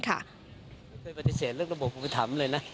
ไม่เคยปฏิเสธเรื่องระบบปฏิษฐรรมเลยนะ